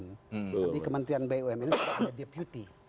nanti kementerian bumn itu ada deputi